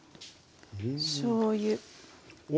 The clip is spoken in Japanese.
しょうゆ。